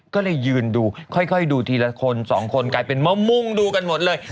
ก็เลยยืนดูค่อยดูทีละคนสองคนกลายเป็นมะมุ่งดูกันหมดเลย